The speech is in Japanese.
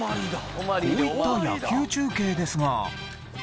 こういった野球中継ですが。